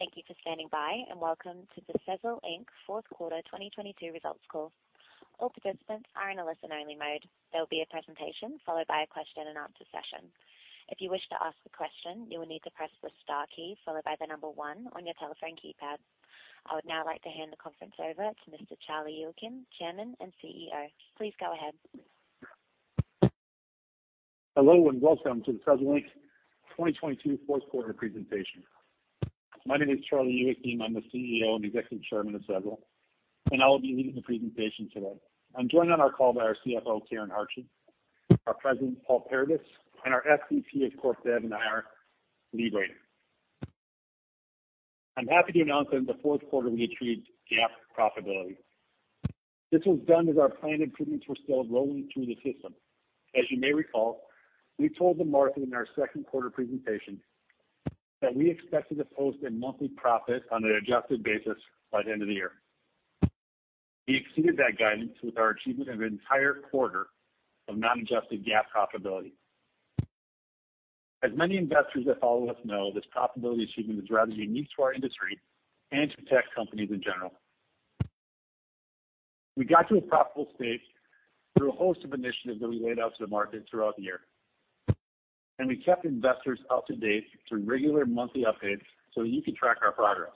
Thank you for standing by, and welcome to the Sezzle Inc. fourth quarter 2022 results call. All participants are in a listen-only mode. There will be a presentation followed by a question and answer session. If you wish to ask a question, you will need to press the star key followed by the number one on your telephone keypad. I would now like to hand the conference over to Mr. Charlie Youakim, Chairman and CEO. Please go ahead. Hello, welcome to the Sezzle Inc. 2022 fourth quarter presentation. My name is Charlie Youakim. I'm the CEO and Executive Chairman of Sezzle, I will be leading the presentation today. I'm joined on our call by our CFO, Karen Hartje, our President, Paul Paradis, and our SEC Head, Corp Dev, and IR, Lee Brading. I'm happy to announce that in the fourth quarter, we achieved GAAP profitability. This was done as our planned improvements were still rolling through the system. As you may recall, we told the market in our second quarter presentation that we expected to post a monthly profit on an adjusted basis by the end of the year. We exceeded that guidance with our achievement of an entire quarter of non-adjusted GAAP profitability. As many investors that follow us know, this profitability achievement is rather unique to our industry and to tech companies in general. We got to a profitable state through a host of initiatives that we laid out to the market throughout the year. We kept investors up to date through regular monthly updates, so you can track our progress.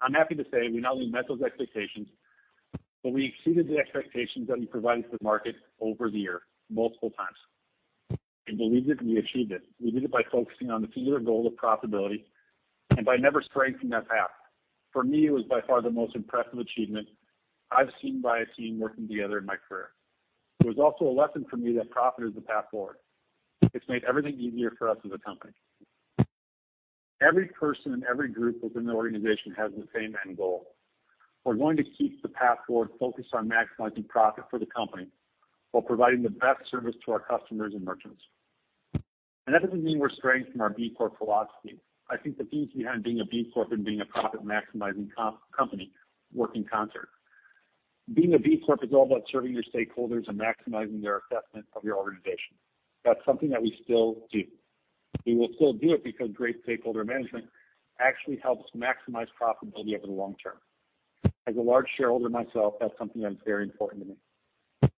I'm happy to say we not only met those expectations, but we exceeded the expectations that we provided to the market over the year multiple times. I believe that we achieved it. We did it by focusing on the singular goal of profitability and by never straying from that path. For me, it was by far the most impressive achievement I've seen by a team working together in my career. It was also a lesson for me that profit is the path forward. It's made everything easier for us as a company. Every person and every group within the organization has the same end goal. We're going to keep the path forward focused on maximizing profit for the company while providing the best service to our customers and merchants. That doesn't mean we're straying from our B Corp philosophy. I think the themes behind being a B Corp and being a profit-maximizing company work in concert. Being a B Corp is all about serving your stakeholders and maximizing their assessment of your organization. That's something that we still do. We will still do it because great stakeholder management actually helps maximize profitability over the long term. As a large shareholder myself, that's something that's very important to me.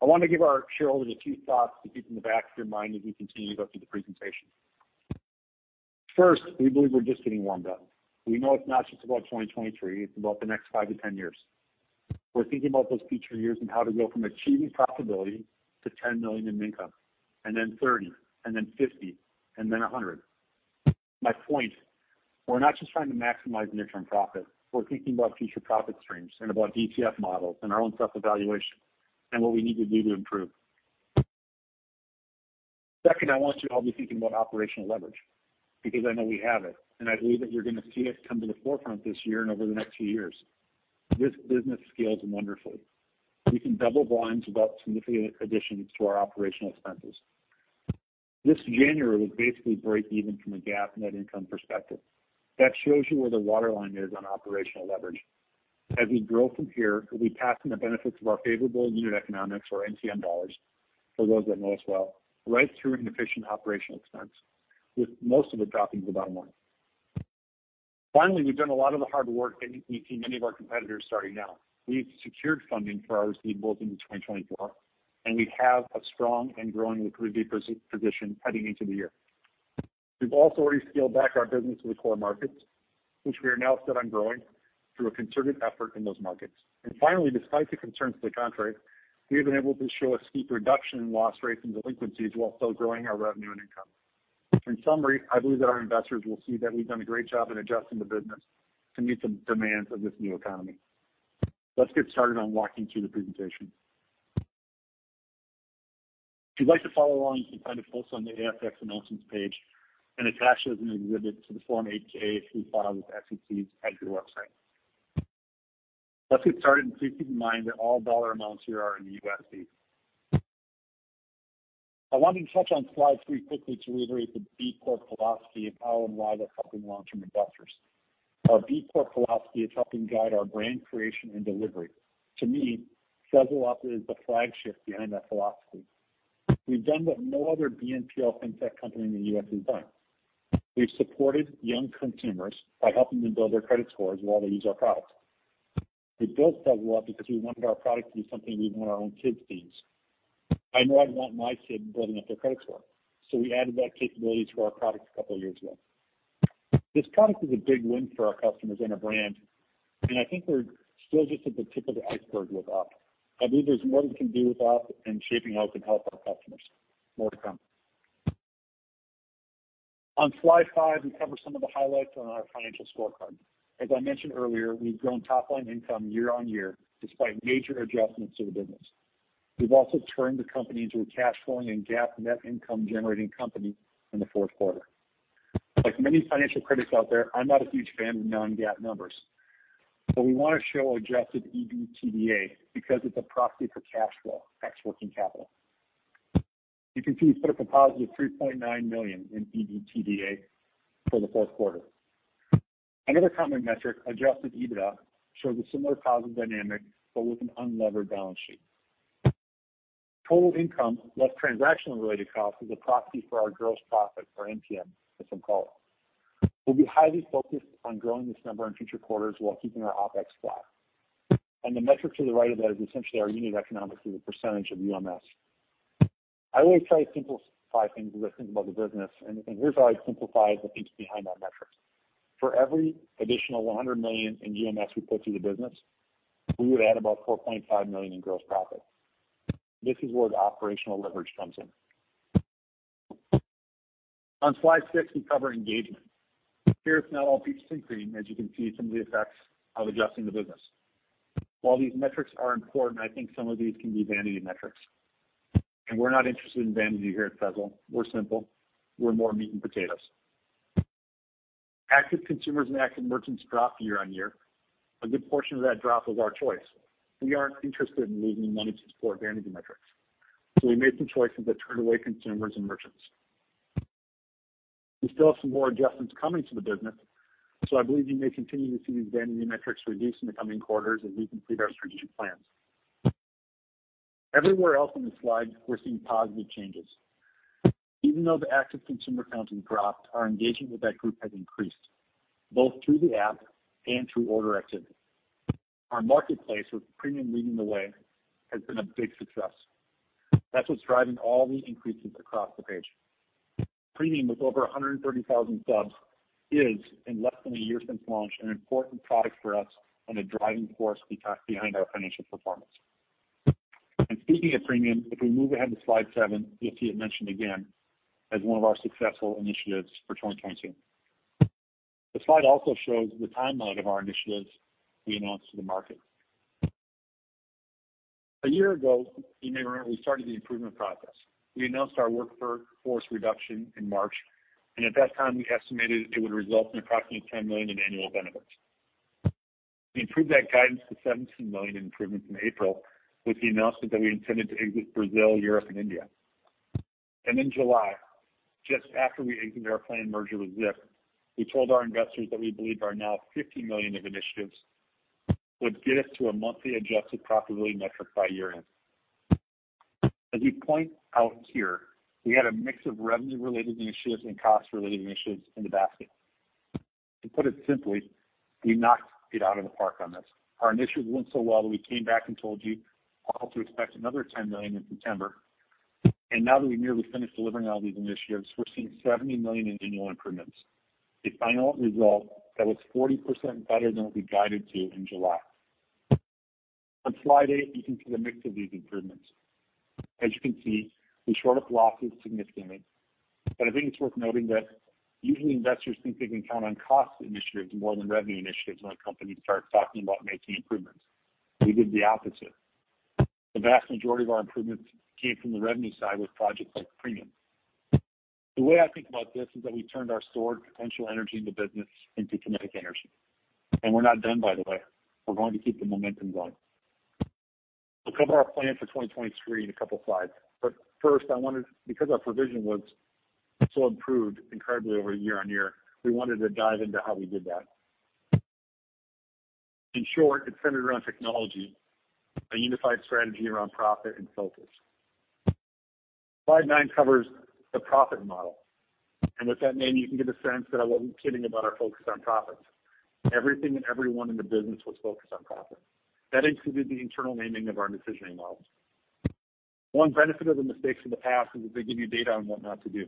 I wanna give our shareholders a few thoughts to keep in the back of your mind as we continue to go through the presentation. First, we believe we're just getting warmed up. We know it's not just about 2023, it's about the next five to 10 years. We're thinking about those future years and how to go from achieving profitability to $10 million in income, and then $30 million, and then $50 million, and then $100 million. My point, we're not just trying to maximize near-term profit. We're thinking about future profit streams and about ETF models and our own self-evaluation and what we need to do to improve. Second, I want you to all be thinking about operational leverage because I know we have it, and I believe that you're gonna see it come to the forefront this year and over the next two years. This business scales wonderfully. We can double volumes without significant additions to our OpEx. This January was basically break even from a GAAP net income perspective. That shows you where the waterline is on operational leverage. As we grow from here, we pass on the benefits of our favorable unit economics or NCM dollars for those that know us well, right through an efficient OpEx, with most of it dropping to the bottom line. We've done a lot of the hard work and we've seen many of our competitors starting now. We've secured funding for our receivables into 2024, and we have a strong and growing liquidity position heading into the year. We've also already scaled back our business to the core markets, which we are now set on growing through a concerted effort in those markets. Finally, despite the concerns to the contrary, we have been able to show a steep reduction in loss rates and delinquencies while still growing our revenue and income. In summary, I believe that our investors will see that we've done a great job in adjusting the business to meet the demands of this new economy. Let's get started on walking through the presentation. If you'd like to follow along, you can find it posted on the ASX announcements page and attached as an exhibit to the Form 8-K we filed with the SEC at their website. Let's get started. Please keep in mind that all dollar amounts here are in the USD. I wanted to touch on Slide 3 quickly to reiterate the B Corp philosophy of how and why we're helping long-term investors. Our B Corp philosophy is helping guide our brand creation and delivery. To me, Sezzle Up is the flagship behind that philosophy. We've done what no other BNPL Fintech company in the U.S. has done. We've supported young consumers by helping them build their credit scores while they use our product. We built Sezzle Up because we wanted our product to be something we'd want our own kids to use. I know I'd want my kid building up their credit score, we added that capability to our product a couple of years ago. This product is a big win for our customers and our brand, I think we're still just at the tip of the iceberg with Up. I believe there's more we can do with Up in shaping how it can help our customers. More to come. On Slide 5, we cover some of the highlights on our financial scorecard. As I mentioned earlier, we've grown top-line income year-over-year despite major adjustments to the business. We've also turned the company into a cash flowing and GAAP net income generating company in the fourth quarter. Like many financial critics out there, I'm not a huge fan of non-GAAP numbers. We wanna show Adjusted EBITDA because it's a proxy for cash flow, that's working capital. You can see we set up a positive $3.9 million in EBITDA for the fourth quarter. Another common metric, Adjusted EBITDA, shows a similar positive dynamic but with an unlevered balance sheet. Total income, less transactionally related costs, is a proxy for our gross profit or NPM, as some call it. We'll be highly focused on growing this number in future quarters while keeping our OpEx flat. The metric to the right of that is essentially our unit economics as a percentage of UMS. I always try to simplify things as I think about the business, and here's how I simplify the thinking behind that metric. For every additional $100 million in UMS we put through the business, we would add about $4.5 million in gross profit. This is where the operational leverage comes in. On Slide 6, we cover engagement. Here it's not all peaches and cream, as you can see some of the effects of adjusting the business. While these metrics are important, I think some of these can be vanity metrics. We're not interested in vanity here at Sezzle. We're simple. We're more meat and potatoes. Active consumers and active merchants dropped year-over-year. A good portion of that drop was our choice. We aren't interested in losing money to support vanity metrics. We made some choices that turned away consumers and merchants. We still have some more adjustments coming to the business. I believe you may continue to see these vanity metrics reduce in the coming quarters as we complete our strategic plans. Everywhere else in the slide, we're seeing positive changes. Even though the active consumer counts have dropped, our engagement with that group has increased, both through the app and through order activity. Our marketplace, with Premium leading the way, has been a big success. That's what's driving all the increases across the page. Premium, with over 130,000 subs, is, in less than a year since launch, an important product for us and a driving force behind our financial performance. Speaking of Sezzle Premium, if we move ahead to Slide 7, you'll see it mentioned again as one of our successful initiatives for 2022. The slide also shows the timeline of our initiatives we announced to the market. A year ago, you may remember we started the improvement process. We announced our workforce reduction in March, and at that time, we estimated it would result in approximately $10 million in annual benefits. We improved that guidance to $17 million in improvements in April with the announcement that we intended to exit Brazil, Europe, and India. In July, just after we exited our planned merger with Zip, we told our investors that we believed our now $50 million of initiatives would get us to a monthly adjusted profitability metric by year-end. As we point out here, we had a mix of revenue-related initiatives and cost-related initiatives in the basket. To put it simply, we knocked it out of the park on this. Our initiatives went so well that we came back and told you all to expect another $10 million in September. Now that we've nearly finished delivering all these initiatives, we're seeing $70 million in annual improvements, a final result that was 40% better than what we guided to in July. On Slide 8, you can see the mix of these improvements. As you can see, we shored up losses significantly, but I think it's worth noting that usually investors think they can count on cost initiatives more than revenue initiatives when a company starts talking about making improvements. We did the opposite. The vast majority of our improvements came from the revenue side with projects like Premium. The way I think about this is that we turned our stored potential energy in the business into kinetic energy. We're not done, by the way. We're going to keep the momentum going. We'll cover our plans for 2023 in a couple slides. Because our provision was so improved incredibly over year-over-year, we wanted to dive into how we did that. In short, it's centered around technology, a unified strategy around profit, and focus. Slide 9 covers the Prophet Model. With that name, you can get a sense that I wasn't kidding about our focus on profits. Everything and everyone in the business was focused on profits. That included the internal naming of our decisioning models. One benefit of the mistakes of the past is that they give you data on what not to do.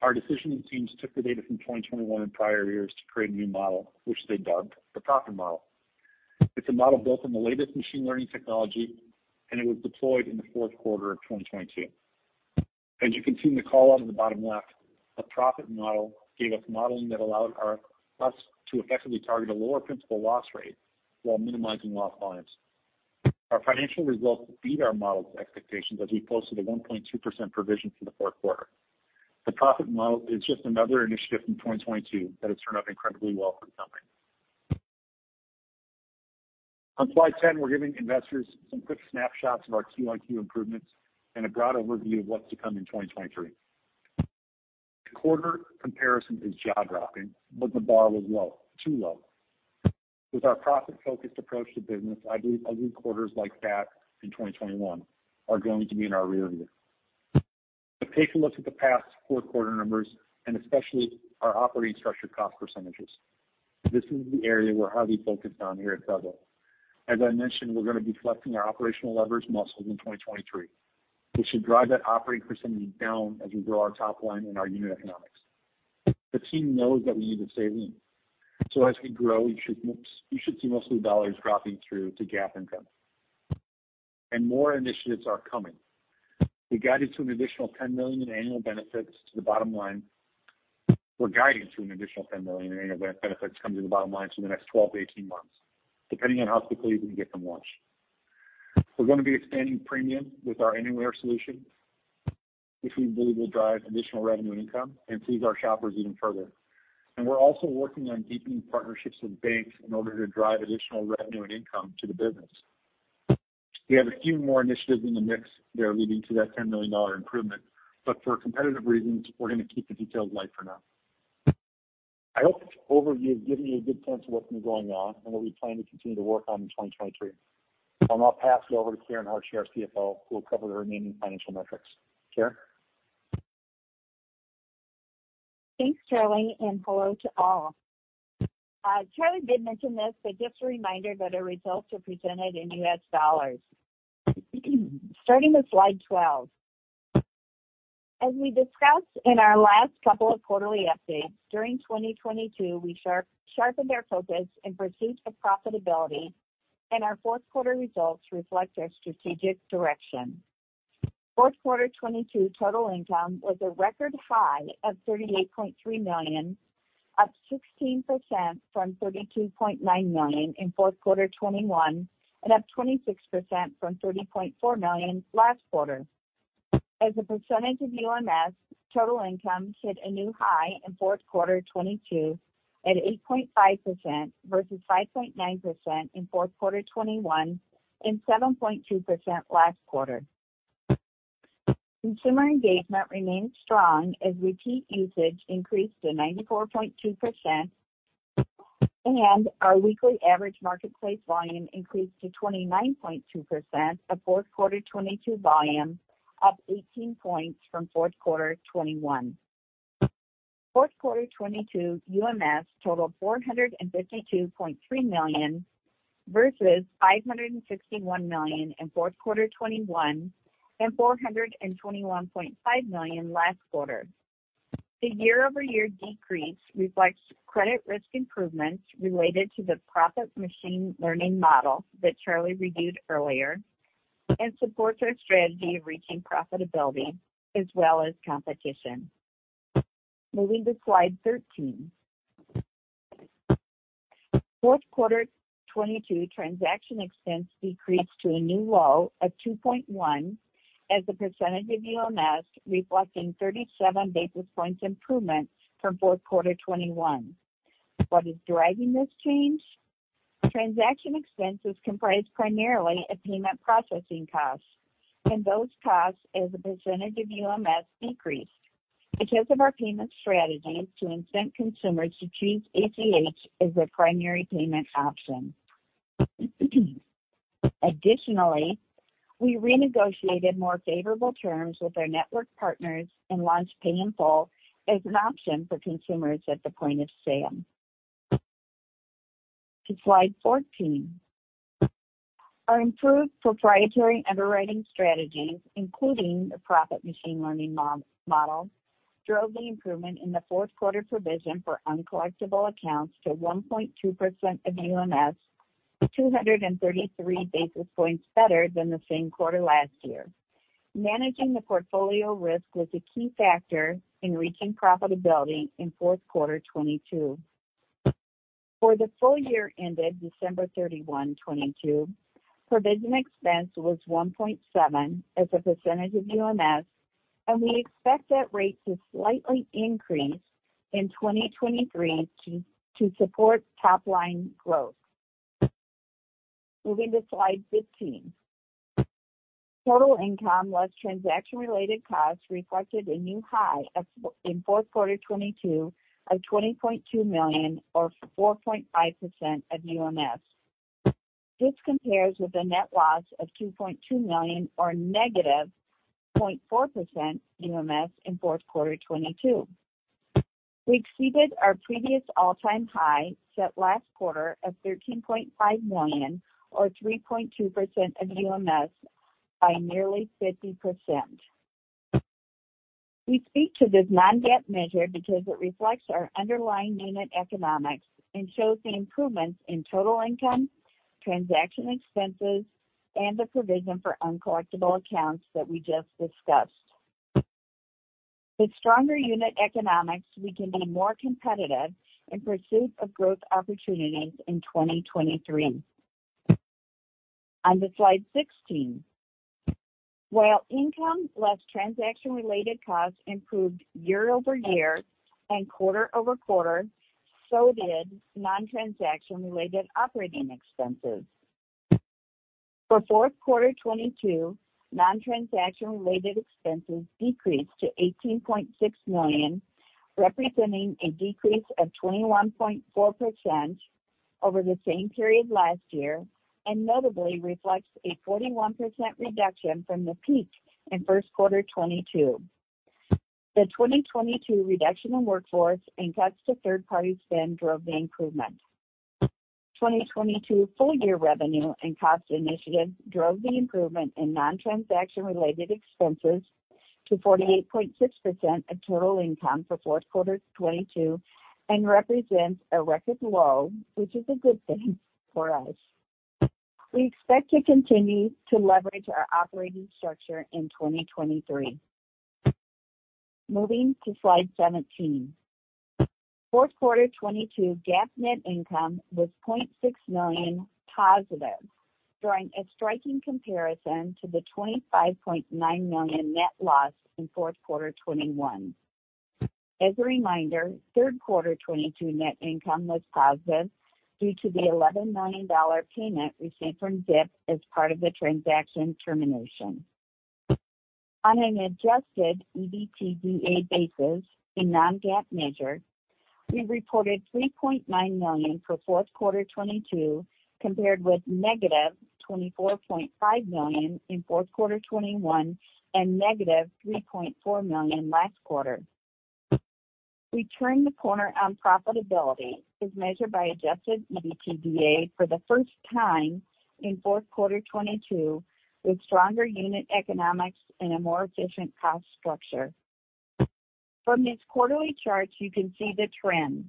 Our decisioning teams took the data from 2021 and prior years to create a new model, which they dubbed the Prophet Model. It's a model built on the latest machine learning technology, and it was deployed in the fourth quarter of 2022. As you can see in the callout in the bottom left, the Prophet Model gave us modeling that allowed us to effectively target a lower principal loss rate while minimizing loss volumes. Our financial results beat our model's expectations as we posted a 1.2% provision for the fourth quarter. The Prophet Model is just another initiative from 2022 that has turned out incredibly well for the company. On Slide 10, we're giving investors some quick snapshots of our Q-on-Q improvements and a broad overview of what's to come in 2023. The quarter comparison is jaw-dropping, but the bar was low, too low. With our profit-focused approach to business, I believe quarters like that in 2021 are going to be in our rearview. Take a look at the past four quarter numbers and especially our operating structure cost percentages. This is the area we're highly focused on here at Sezzle. As I mentioned, we're gonna be flexing our operational leverage muscles in 2023, which should drive that operating percentage down as we grow our top line and our unit economics. The team knows that we need to stay lean. As we grow, you should see most of the dollars dropping through to GAAP income. More initiatives are coming. We guided to an additional $10 million in annual benefits to the bottom line. We're guiding to an additional $10 million in annual benefits coming to the bottom line through the next 12-18 months, depending on how quickly we can get them launched. We're gonna be expanding Premium with our Anywhere solution, which we believe will drive additional revenue and income and please our shoppers even further. We're also working on deepening partnerships with banks in order to drive additional revenue and income to the business. We have a few more initiatives in the mix that are leading to that $10 million improvement, but for competitive reasons, we're gonna keep the details light for now. I hope this overview has given you a good sense of what's been going on and what we plan to continue to work on in 2023. I'll now pass you over to Karen Hartje, CFO, who will cover the remaining financial metrics. Karen? Thanks, Charlie, and hello to all. Charlie did mention this, but just a reminder that our results are presented in U.S. dollars. Starting with Slide 12. As we discussed in our last couple of quarterly updates, during 2022, we sharpened our focus in pursuit of profitability, and our fourth quarter results reflect our strategic direction. Fourth quarter 2022 total income was a record high of $38.3 million, up 16% from $32.9 million in fourth quarter 2021 and up 26% from $30.4 million last quarter. As a percentage of UMS, total income hit a new high in fourth quarter 2022 at 8.5% versus 5.9% in fourth quarter 2021 and 7.2% last quarter. Consumer engagement remained strong as repeat usage increased to 94.2%. Our weekly average marketplace volume increased to 29.2% of fourth quarter 2022 volume, up 18 points from fourth quarter 2021. Fourth quarter 2022 UMS totaled $452.3 million versus $561 million in fourth quarter 2021 and $421.5 million last quarter. The year-over-year decrease reflects credit risk improvements related to the Prophet Model that Charlie reviewed earlier and supports our strategy of reaching profitability as well as competition. Moving to Slide 13. Fourth quarter 2022 transaction expense decreased to a new low of 2.1% as a percentage of UMS, reflecting 37 basis points improvement from fourth quarter 2021. What is driving this change? Transaction expenses comprised primarily of payment processing costs. Those costs as a percentage of UMS decreased because of our payment strategy to incent consumers to choose ACH as their primary payment option. Additionally, we renegotiated more favorable terms with our network partners and launched Pay in Full as an option for consumers at the point of sale. To Slide 14. Our improved proprietary underwriting strategies, including the Prophet Model, drove the improvement in the fourth quarter provision for uncollectible accounts to 1.2% of UMS, 233 basis points better than the same quarter last year. Managing the portfolio risk was a key factor in reaching profitability in fourth quarter 2022. For the full year ended December 31, 2022, provision expense was 1.7% as a percentage of UMS. We expect that rate to slightly increase in 2023 to support top line growth. Moving to slide 15. Total income less transaction-related costs reflected a new high in fourth quarter 2022 of $20.2 million or 4.5% of UMS. This compares with a net loss of $2.2 million or negative 0.4% UMS in fourth quarter 2022. We exceeded our previous all-time high set last quarter of $13.5 million or 3.2% of UMS by nearly 50%. We speak to this non-GAAP measure because it reflects our underlying unit economics and shows the improvements in total income, transaction expenses, and the provision for uncollectible accounts that we just discussed. With stronger unit economics, we can be more competitive in pursuit of growth opportunities in 2023. Onto Slide 16. While income less transaction-related costs improved year-over-year and quarter-over-quarter, so did non-transaction-related operating expenses. For fourth quarter 2022, non-transaction-related expenses decreased to $18.6 million, representing a decrease of 21.4% over the same period last year, and notably reflects a 41% reduction from the peak in first quarter 2022. The 2022 reduction in workforce and cuts to third-party spend drove the improvement. 2022 full year revenue and cost initiatives drove the improvement in non-transaction-related expenses to 48.6% of total income for fourth quarter 2022 and represents a record low, which is a good thing for us. We expect to continue to leverage our operating structure in 2023. Moving to Slide 17. Fourth quarter 2022 GAAP net income was $0.6 million positive, drawing a striking comparison to the $25.9 million net loss in fourth quarter 2021. As a reminder, third quarter 2022 net income was positive due to the $11 million payment received from Zip as part of the transaction termination. On an Adjusted EBITDA basis in non-GAAP measure, we reported $3.9 million for fourth quarter 2022 compared with -$24.5 million in fourth quarter 2021 and -$3.4 million last quarter. We turned the corner on profitability as measured by Adjusted EBITDA for the first time in fourth quarter 2022, with stronger unit economics and a more efficient cost structure. From this quarterly chart, you can see the trend.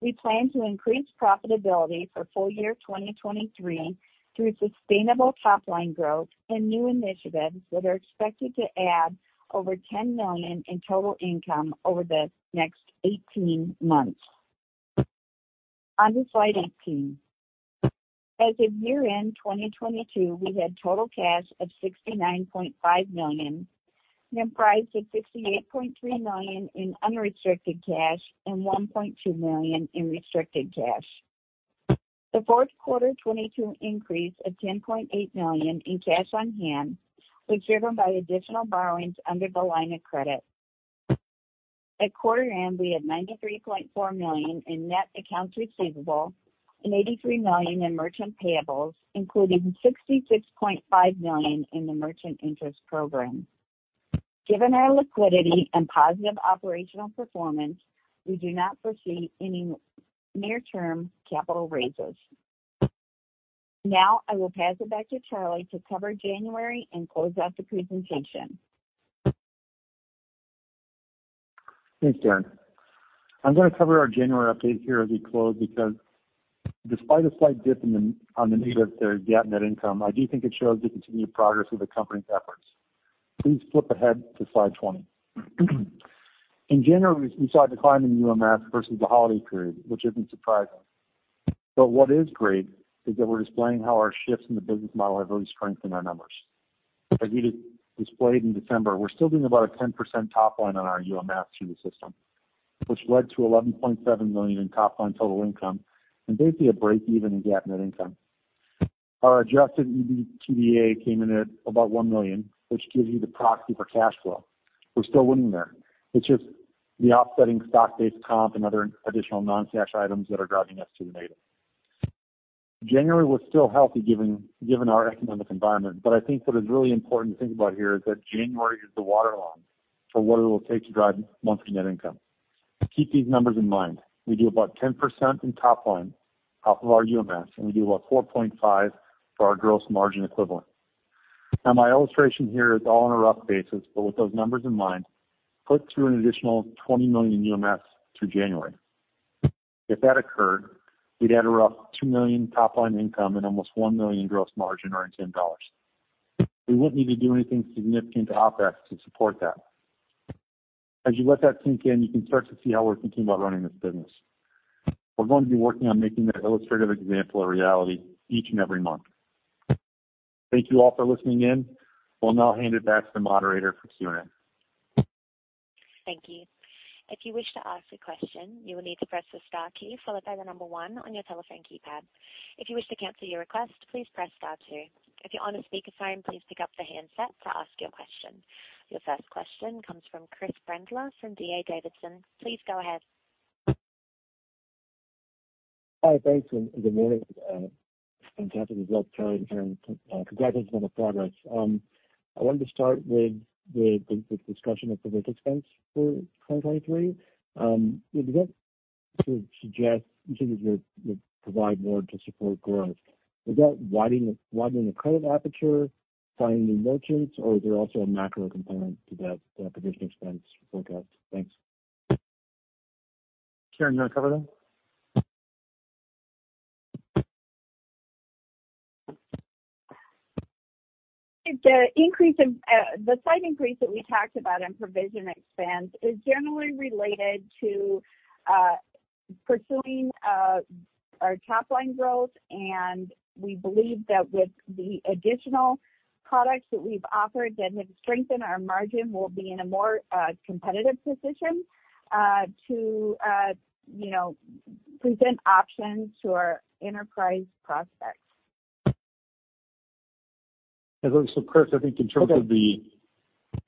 We plan to increase profitability for full year 2023 through sustainable top line growth and new initiatives that are expected to add over $10 million in total income over the next 18 months. On to Slide 18. As of year-end 2022, we had total cash of $69.5 million, comprised of $68.3 million in unrestricted cash and $1.2 million in restricted cash. The fourth quarter 2022 increase of $10.8 million in cash on hand was driven by additional borrowings under the line of credit. At quarter end, we had $93.4 million in net accounts receivable and $83 million in merchant payables, including $66.5 million in the merchant interest program. Given our liquidity and positive operational performance, we do not foresee any near-term capital raises. Now I will pass it back to Charlie to cover January and close out the presentation. Thanks, Karen. I'm gonna cover our January update here as we close because despite a slight dip on the negative, the GAAP net income, I do think it shows the continued progress of the company's efforts. Please flip ahead to Slide 20. In January, we saw a decline in UMS versus the holiday period, which isn't surprising. What is great is that we're displaying how our shifts in the business model have really strengthened our numbers. As we displayed in December, we're still doing about a 10% top line on our UMS through the system, which led to $11.7 million in top line total income and basically a break even in GAAP net income. Our Adjusted EBITDA came in at about $1 million, which gives you the proxy for cash flow. We're still winning there. It's just the offsetting stock-based comp and other additional non-cash items that are driving us to the negative. January was still healthy given our economic environment. I think what is really important to think about here is that January is the water line for what it will take to drive monthly net income. Keep these numbers in mind. We do about 10% in top line off of our UMS, and we do about 4.5% for our gross margin equivalent. My illustration here is all on a rough basis. With those numbers in mind, put through an additional $20 million in UMS through January. If that occurred, we'd add a rough $2 million top line income and almost $1 million gross margin or in $10. We wouldn't need to do anything significant to OpEx to support that. As you let that sink in, you can start to see how we're thinking about running this business. We're going to be working on making that illustrative example a reality each and every month. Thank you all for listening in. We'll now hand it back to the moderator for Q&A. Thank you. If you wish to ask a question, you will need to press the star key followed by one on your telephone keypad. If you wish to cancel your request, please press star two. If you're on a speakerphone, please pick up the handset to ask your question. Your first question comes from Chris Brendler from D.A. Davidson. Please go ahead. Hi. Thanks, and good morning. Fantastic results, Charlie and Karen. Congratulations on the progress. I wanted to start with the discussion of provision expense for 2023. Does that sort of suggest you think you should provide more to support growth? Is that widening the credit aperture, finding new merchants, or is there also a macro component to that provision expense forecast? Thanks. Karen, do you wanna cover that? The slight increase that we talked about in provision expense is generally related to pursuing our top line growth. We believe that with the additional products that we've offered that have strengthened our margin, we'll be in a more competitive position to, you know, present options to our enterprise prospects. Chris, I think in terms of you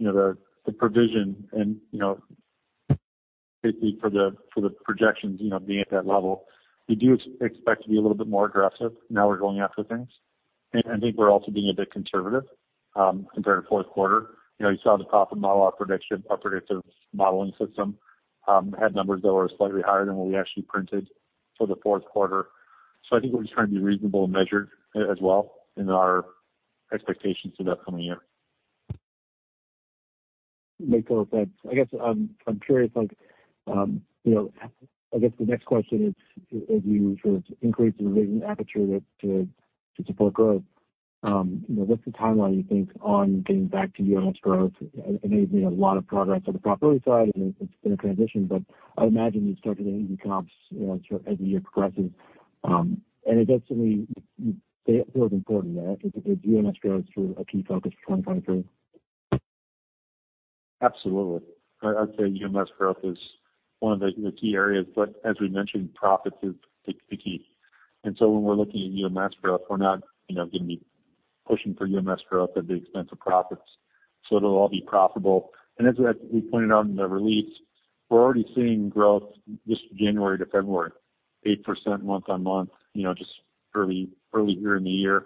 know, the provision and, you know, basically for the, for the projections, you know, being at that level, we do expect to be a little bit more aggressive now we're going after things. I think we're also being a bit conservative compared to fourth quarter. You know, you saw the top of model, our predictive modeling system had numbers that were slightly higher than what we actually printed for the fourth quarter. I think we're just trying to be reasonable and measured as well in our expectations for the upcoming year. Makes a lot of sense. I guess I'm curious, like, you know, I guess the next question is, as you sort of increase the provision aperture to support growth, you know, what's the timeline you think on getting back to UMS growth? I know you've made a lot of progress on the profitability side, and it's been a transition, but I would imagine you start to get easy comps, you know, as the year progresses. It feels important that, I think, that the UMS growth is sort of a key focus for 2023. Absolutely. I'd say UMS growth is one of the key areas. As we mentioned, profits is the key. When we're looking at UMS growth, we're not, you know, gonna be pushing for UMS growth at the expense of profits. It'll all be profitable. As we pointed out in the release, we're already seeing growth just January to February, 8% month-on-month, you know, just early here in the year.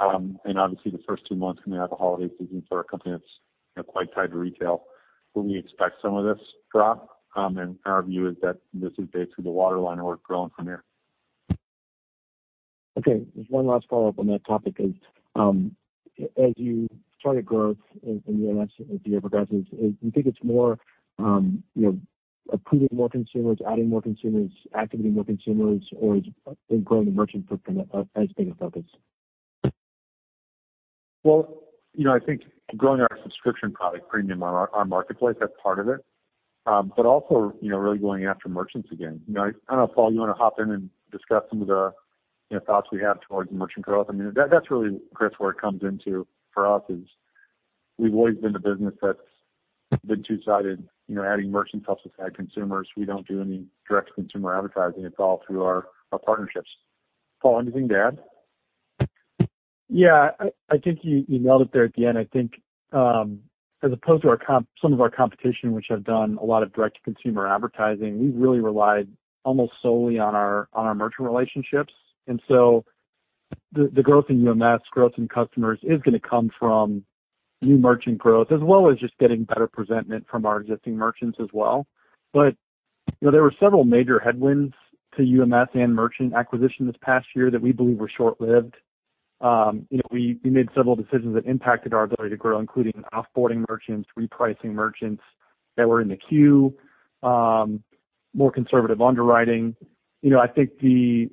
Obviously the first two months coming out of the holiday season for a company that's, you know, quite tied to retail, where we expect some of this drop. Our view is that this is basically the waterline, and we're growing from here. Just one last follow-up on that topic is, as you target growth in UMS as the year progresses, you think it's more, you know, approving more consumers, adding more consumers, activating more consumers or is growing the merchant footprint as bigger focus? you know, I think growing our subscription product Premium on our marketplace, that's part of it. also, you know, really going after merchants again. You know, I don't know, Paul, you wanna hop in and discuss some of the, you know, thoughts we have towards merchant growth. I mean, that's really, Chris, where it comes into for us, is we've always been a business that's been two-sided, you know, adding merchant plus we've had consumers. We don't do any direct to consumer advertising. It's all through our partnerships. Paul, anything to add? I think you nailed it there at the end. I think, as opposed to some of our competition, which have done a lot of direct to consumer advertising, we've really relied almost solely on our merchant relationships. The growth in UMS, growth in customers is gonna come from new merchant growth as well as just getting better presentment from our existing merchants as well. You know, there were several major headwinds to UMS and merchant acquisition this past year that we believe were short-lived. You know, we made several decisions that impacted our ability to grow, including off-boarding merchants, repricing merchants that were in the queue, more conservative underwriting. You know, I think the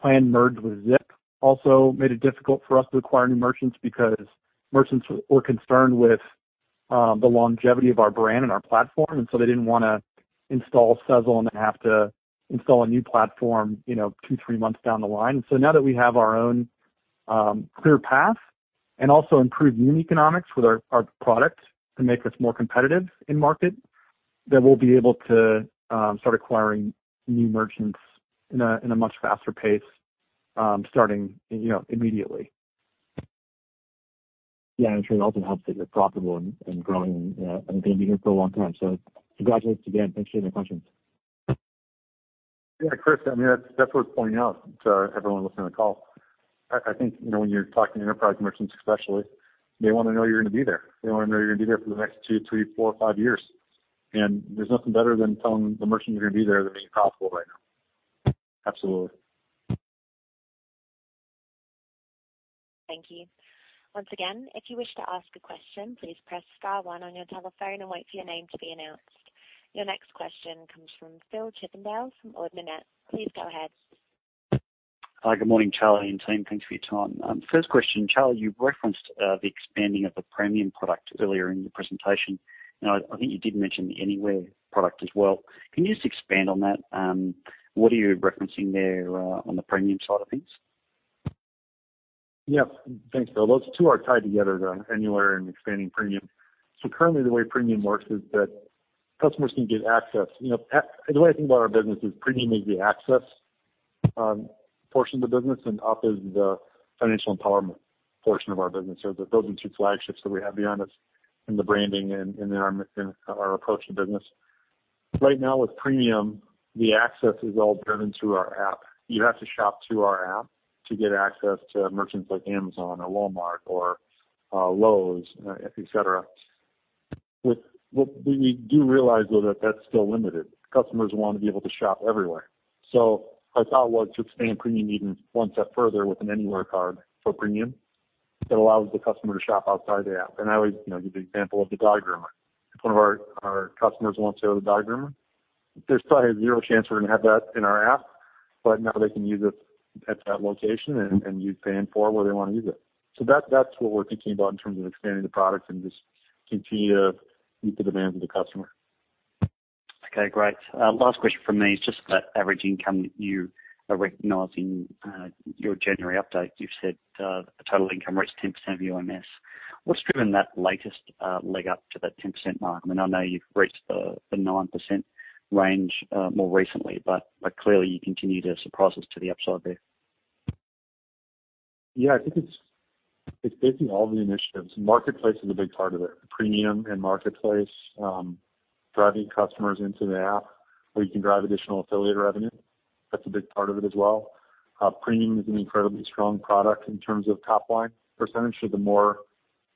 planned merge with Zip also made it difficult for us to acquire new merchants because merchants were concerned with the longevity of our brand and our platform, and so they didn't wanna install Sezzle and then have to install a new platform, you know, two, three months down the line. Now that we have our own clear path and also improved unit economics with our product to make us more competitive in market, then we'll be able to start acquiring new merchants in a much faster pace, starting, you know, immediately. Yeah. I'm sure it also helps that you're profitable and growing and, you know, and being here for a long time. Congratulations again. Thanks for taking the questions. Yeah, Chris, I mean, that's worth pointing out to everyone listening on the call. I think, you know, when you're talking to enterprise merchants especially, they wanna know you're gonna be there. They wanna know you're gonna be there for the next two, three, four, five years. There's nothing better than telling the merchant you're gonna be there than being profitable right now. Absolutely. Thank you. Once again, if you wish to ask a question, please press star one on your telephone and wait for your name to be announced. Your next question comes from Phil Chippindale from Ord Minnett. Please go ahead. Hi. Good morning, Charlie and team. Thanks for your time. First question, Charlie, you've referenced the expanding of the Premium product earlier in your presentation, and I think you did mention the Anywhere product as well. Can you just expand on that? What are you referencing there on the Premium side of things? Thanks, Phil. Those two are tied together, the Sezzle Anywhere and expanding Sezzle Premium. Currently the way Sezzle Premium works is that customers can get access. You know, the way I think about our business is Sezzle Premium is the access portion of the business and app is the financial empowerment portion of our business. Those are two flagships that we have behind us in the branding and in our approach to business. Right now with Sezzle Premium, the access is all driven through our app. You have to shop through our app to get access to merchants like Amazon or Walmart or Lowe's, et cetera. What we do realize though that that's still limited. Customers wanna be able to shop everywhere. Our thought was to expand Premium even one step further with an Anywhere card for Premium that allows the customer to shop outside the app. I always, you know, give the example of the dog groomer. If one of our customers wants to go to the dog groomer, there's probably zero chance we're gonna have that in our app. Now they can use it at that location and use Pay in Full where they wanna use it. That's what we're thinking about in terms of expanding the product and just continue to meet the demands of the customer. Okay. Great. Last question from me is just about average income you are recognizing. Your January update, you've said, total income reached 10% of your UMS. What's driven that latest leg up to that 10% mark? I mean, I know you've reached the 9% range more recently, but clearly you continue to surprise us to the upside there. I think it's basically all the initiatives. Marketplace is a big part of it. Premium and marketplace, driving customers into the app where you can drive additional affiliate revenue, that's a big part of it as well. Premium is an incredibly strong product in terms of top line percentage. The more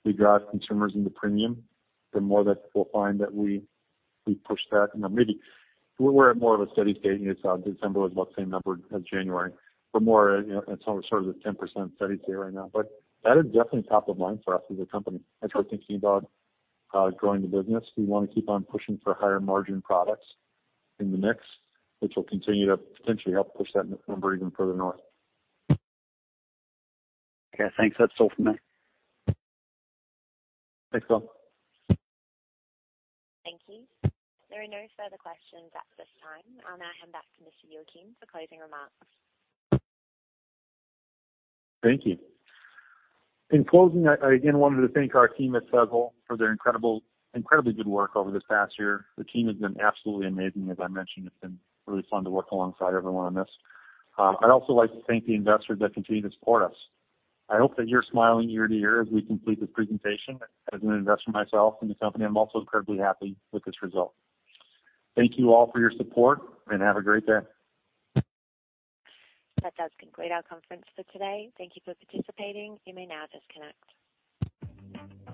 we drive consumers into Premium, the more that we'll find that we push that. You know, maybe we're at more of a steady state. You know, December was about the same number as January. We're more at, you know, at some sort of the 10% steady state right now, but that is definitely top of mind for us as a company. As we're thinking about, growing the business, we wanna keep on pushing for higher margin products in the mix, which will continue to potentially help push that number even further north. Okay. Thanks. That's all from me. Thanks, Phil. Thank you. There are no further questions at this time. I'll now hand back to Mr. Youakim for closing remarks. Thank you. In closing, I again wanted to thank our team at Sezzle for their incredibly good work over this past year. The team has been absolutely amazing. As I mentioned, it's been really fun to work alongside everyone on this. I'd also like to thank the investors that continue to support us. I hope that you're smiling ear to ear as we complete this presentation. As an investor myself in the company, I'm also incredibly happy with this result. Thank you all for your support, and have a great day. That does conclude our conference for today. Thank you for participating. You may now disconnect.